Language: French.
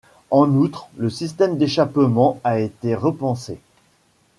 En outre, le système d'échappement a été repensé.